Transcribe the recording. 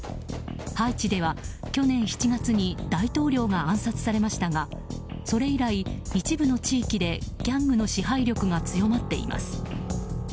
ハイチでは去年７月に大統領が暗殺されましたがそれ以来、一部の地域でギャングの支配力が強まっています。